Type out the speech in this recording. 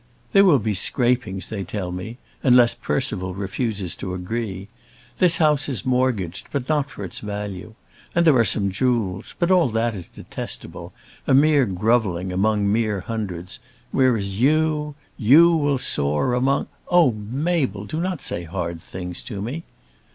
"There will be scrapings they tell me, unless Percival refuses to agree. This house is mortgaged, but not for its value. And there are some jewels. But all that is detestable, a mere grovelling among mean hundreds; whereas you, you will soar among " "Oh Mabel! do not say hard things to me."